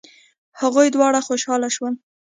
هغوی دواړه خوشحاله شول.